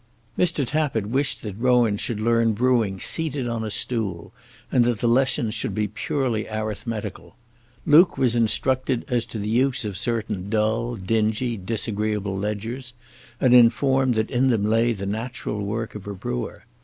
Mr. Tappitt wished that Rowan should learn brewing seated on a stool, and that the lessons should be purely arithmetical. Luke was instructed as to the use of certain dull, dingy, disagreeable ledgers, and informed that in them lay the natural work of a brewer.